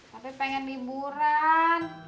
tapi pengen liburan